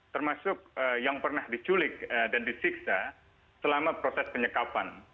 termasuk yang pernah diculik dan disiksa selama proses penyekapan